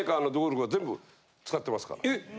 えっ！